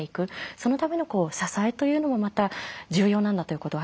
そのための支えというのもまた重要なんだということを改めて感じましたね。